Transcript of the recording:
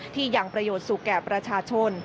ที่ยังประโยชน์สุขแก่ประชาชน